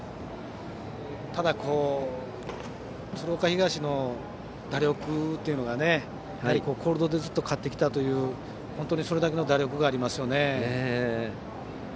ただ、鶴岡東の打力というのがコールドでずっと勝ってきたという本当にそれだけの打力がありますね。